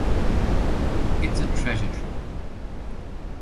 It's a treasure trove.